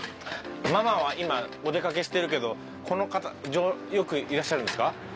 ママは今お出かけしてるけどこの方よくいらっしゃるんですか？